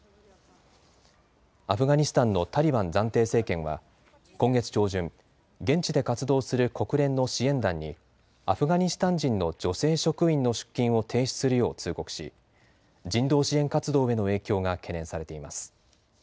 アフガニスタンのタリバン暫定政権は今月上旬、現地で活動する国連の支援団にアフガニスタン人の女性職員の出勤を停止するよう通告し人道支援活動への影響が懸念されています。